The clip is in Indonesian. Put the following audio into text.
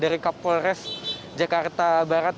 dari kapolres jakarta barat